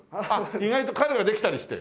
意外と彼ができたりして。